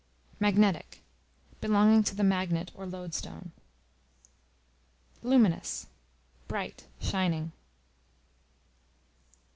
Magnetic, belonging to the magnet, or loadstone. Luminous, bright, shining.